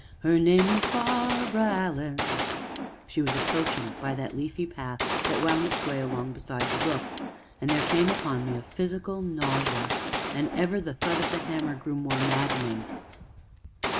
Her name was Barbara Allen.'" She was approaching by that leafy path that wound its way along beside the brook, and there came upon me a physical nausea, and ever the thud of the hammer grew more maddening.